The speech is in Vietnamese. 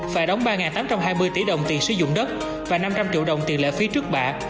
phải đóng ba tám trăm hai mươi tỷ đồng tiền sử dụng đất và năm trăm linh triệu đồng tiền lệ phí trước bạ